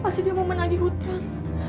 pasti dia mau menanggi hutang